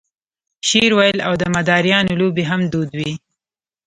شعر ویل او د مداریانو لوبې هم دود وې.